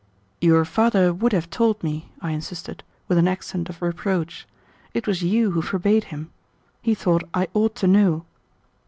"Your father would have told me," I insisted, with an accent of reproach. "It was you who forbade him. He thought I ought to know."